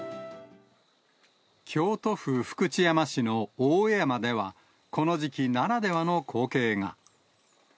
京都府福知山市の大江山では、この時期ならではの光景が。